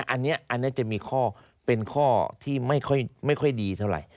อันนี้จะมีข้อเป็นข้อที่ไม่ค่อยดีเท่าไหร่